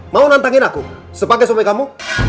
mau nantangin aku sebagai suami kamu